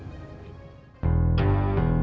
bisa nyalakan kumpulan yang sudah digunakan